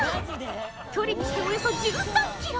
距離にしておよそ１３キロ。